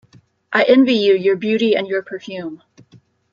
I envy you your beauty and your perfume.